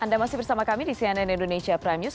anda masih bersama kami di cnn indonesia prime news